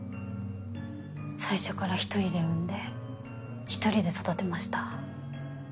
最初からひとりで産んでひとりで育てました。